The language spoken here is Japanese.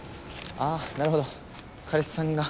ああなるほど彼氏さんが。